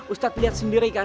ustadz lihat sendiri kan